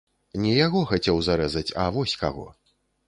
Не яго хацеў зарэзаць, а вось каго.